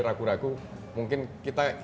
ragu ragu mungkin kita